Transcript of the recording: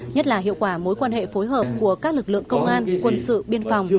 nhất là hiệu quả mối quan hệ phối hợp của các lực lượng công an quân sự biên phòng